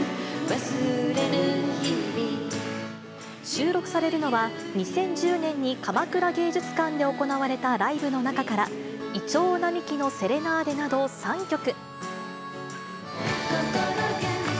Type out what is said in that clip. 収録されるのは、２０１０年に鎌倉芸術館で行われたライブの中から、いちょう並木のセレナーデなど３曲。